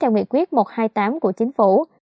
theo nghị quyết một trăm hai mươi tám của chính phủ